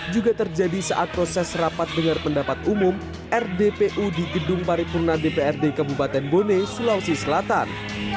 juga terjadi saat proses rapat dengar pendapat umum rdpu di gedung paripurna dprd kabupaten bone sulawesi selatan